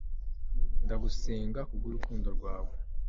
Ndagusenga kubwurukundo rwawe